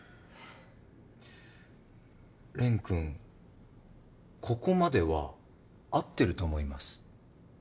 レン君ここまでは合ってると思います。